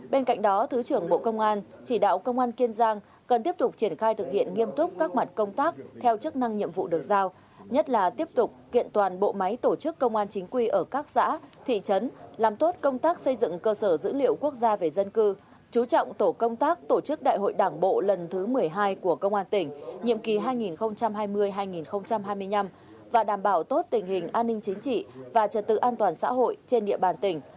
bên cạnh đó thứ trưởng bộ công an chỉ đạo công an kiên giang cần tiếp tục triển khai thực hiện nghiêm túc các mặt công tác theo chức năng nhiệm vụ được giao nhất là tiếp tục kiện toàn bộ máy tổ chức công an chính quy ở các xã thị trấn làm tốt công tác xây dựng cơ sở dữ liệu quốc gia về dân cư chú trọng tổ công tác tổ chức đại hội đảng bộ lần thứ một mươi hai của công an tỉnh nhiệm kỳ hai nghìn hai mươi hai nghìn hai mươi năm và đảm bảo tốt tình hình an ninh chính trị và trật tự an toàn xã hội trên địa bàn tỉnh